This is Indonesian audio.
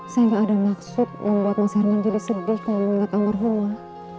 saya nggak ada maksud membuat mas herman jadi sedih kalau melihat almarhumah